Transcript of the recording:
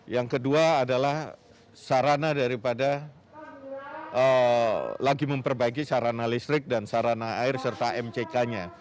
yang kedua adalah sarana daripada lagi memperbaiki sarana listrik dan sarana air serta mck nya